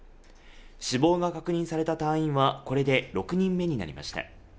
死亡が確認された隊員はこれで６人目になりました。